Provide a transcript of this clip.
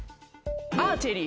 アーチェリー。